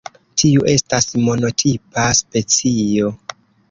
Tiu estas monotipa specio.